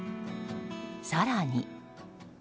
更に。